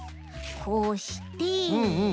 こうして。